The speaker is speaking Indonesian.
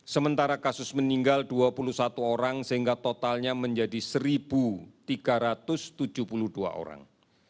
sementara kasus meninggal dua puluh satu orang sehingga totalnya menjadi satu tiga ratus tujuh puluh dua orang